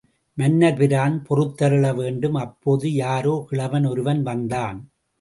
மன்னர் பிரான் பொறுத்தருள வேண்டும்!... அப்போது, யாரோ கிழவன் ஒருவன் வந்தான்.